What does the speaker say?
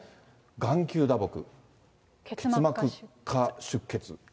眼球打撲、結膜下出血。